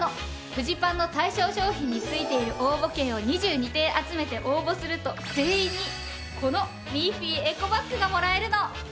フジパンの対象商品についている応募券を２２点集めて応募すると全員にこのミッフィーエコバッグがもらえるの。